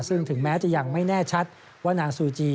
ซึ่งถึงแม้จะยังไม่แน่ชัดว่านางซูจี